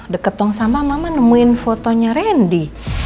deket tong sampah mama nemuin fotonya randy